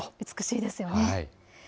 美しいですよね。